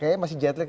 kayaknya masih jetlag